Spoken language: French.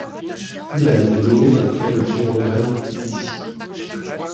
Il a été nommé d'après le héros grec Ulysse.